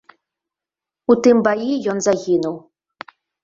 У тым баі ён загінуў.